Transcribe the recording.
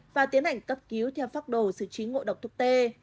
và tiến hành cấp cứu theo pháp đồ xử trí ngộ độc thực tê